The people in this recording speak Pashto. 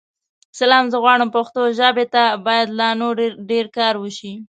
سلام؛ زه غواړم پښتو ژابې ته بايد لا نور ډير کار وشې.